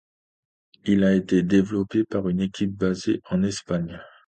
Il a été développé par une équipe basée en Espagne.